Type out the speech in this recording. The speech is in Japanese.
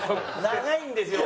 長いんですよ